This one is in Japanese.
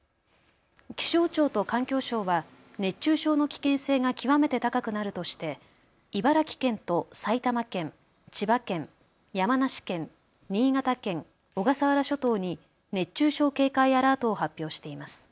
気象庁と環境省は熱中症の危険性が極めて高くなるとして茨城県と埼玉県、千葉県、山梨県、新潟県、小笠原諸島に熱中症警戒アラートを発表しています。